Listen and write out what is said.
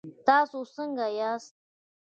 تاسو څنګ ياست؟